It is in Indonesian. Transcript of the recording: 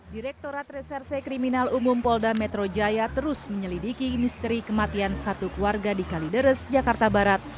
direktorat reserse kriminal umum polda metro jaya terus menyelidiki misteri kematian satu keluarga di kalideres jakarta barat